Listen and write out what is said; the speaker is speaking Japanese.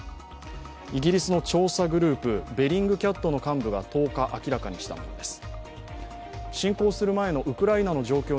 イギリスの調査グループベリングキャットの幹部が１０日明らかにしたものです。